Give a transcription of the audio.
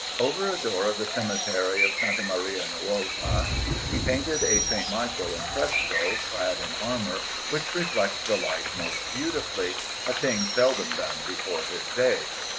Over a door of the cemetery of S. Maria Nuova he painted a S. Michael in fresco, clad in armour which reflects the light most beautifully a thing seldom done before his day.